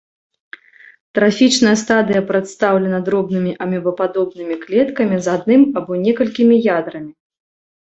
Трафічная стадыя прадстаўлена дробнымі амёбападобнымі клеткамі з адным або некалькімі ядрамі.